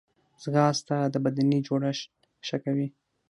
ځغاسته د بدني جوړښت ښه کوي